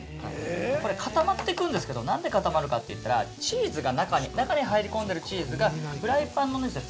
これ固まってくんですけど、何で固まるかっていったら中に入り込んでるチーズがフライパンの熱で